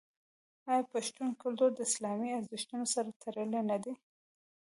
آیا پښتون کلتور د اسلامي ارزښتونو سره تړلی نه دی؟